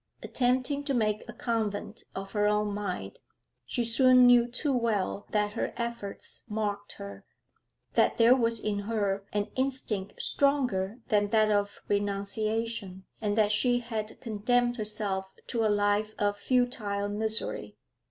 Attempting to make a convent of her own mind, she soon knew too well that her efforts mocked her, that there was in her an instinct stronger than that of renunciation, and that she had condemned herself to a life of futile misery.